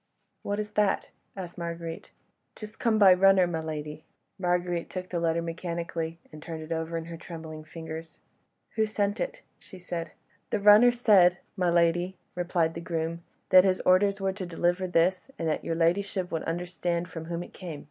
"What is that?" asked Marguerite. "Just come by runner, my lady." Marguerite took the letter mechanically, and turned it over in her trembling fingers. "Who sent it?" she said. "The runner said, my lady," replied the groom, "that his orders were to deliver this, and that your ladyship would understand from whom it came."